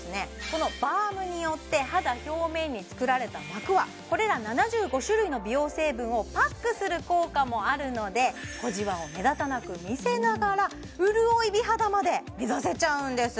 このバームによって肌表面につくられた膜はこれら７５種類の美容成分をパックする効果もあるので小じわを目立たなく見せながら潤い美肌まで目指せちゃうんです